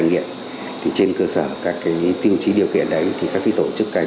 kỳ thế ngăn chặn các hành vi vi phạm